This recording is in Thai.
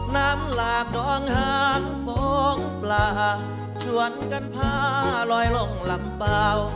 น้ำหลากดองหานฟองปลาชวนกันพาลอยลงลำเปล่า